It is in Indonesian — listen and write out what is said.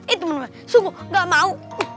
eh temen temen sungguh gak mau